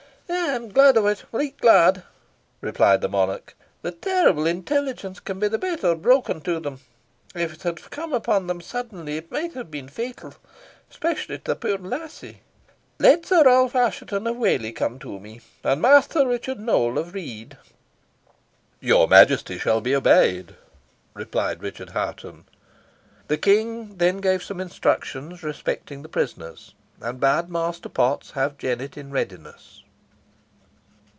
"I am glad of it right glad," replied the monarch; "the terrible intelligence can be the better broken to them. If it had come upon them suddenly, it might have been fatal especially to the puir lassie. Let Sir Ralph Assheton of Whalley come to me and Master Roger Nowell of Read." "Your Majesty shall be obeyed," replied Sir Richard Hoghton. The King then gave some instructions respecting the prisoners, and bade Master Potts have Jennet in readiness.